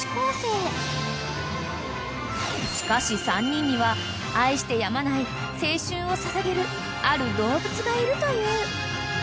［しかし３人には愛してやまない青春を捧げるある動物がいるという］